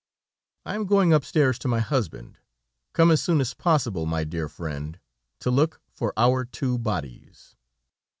I am going upstairs to my husband; come as soon as possible, my dear friend, to look for our two bodies."